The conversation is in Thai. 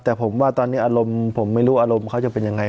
แต่ผมว่าตอนนี้อารมณ์ผมไม่รู้อารมณ์เขาจะเป็นยังไง